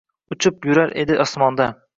uchib yurar edi osmonda